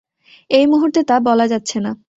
এই মুহূর্তে তা বলা যাচ্ছে না।